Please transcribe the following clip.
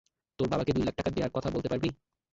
তোর বাবাকে দুই লাখ টাকা দেয়ার কথা বলতে পারবি?